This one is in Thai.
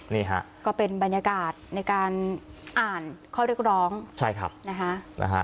นี่ฮะก็เป็นบรรยากาศในการอ่านข้อเรียกร้องใช่ครับนะฮะนะฮะ